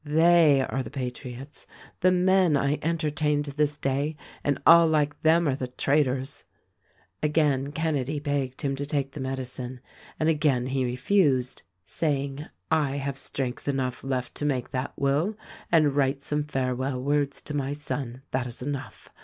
They are the patriots. The men I enter tained this day and all like them are the traitors." Again Kenedy begged him to take the medicine, and again he refused ; saying, "I have strength enough left to make that will and write some farewell words to my son — that is enough.